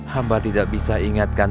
hamba tidak bisa ingatkan